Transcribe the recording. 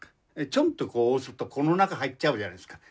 チョンと押すとこの中入っちゃうじゃないですか。